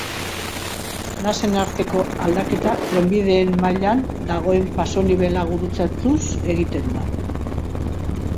Nasen arteko aldaketa trenbideen mailan dagoen pasonibela gurutzatuz egiten da.